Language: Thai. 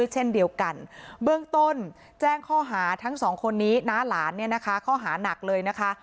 แจ้งข้อหาทั้งสองคนนี้น้าหลานเนี่ยนะคะข้อหาหนักเลยนะคะ